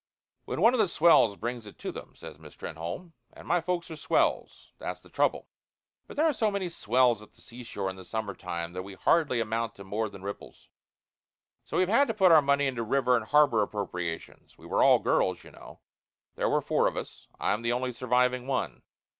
"When one of the 'swells' brings it to them," said Miss Trenholme. "And my folks are swells. That's the trouble. But there are so many swells at the seashore in the summer time that we hardly amount to more than ripples. So we've had to put all our money into river and harbor appropriations. We were all girls, you know. There were four of us. I'm the only surviving one.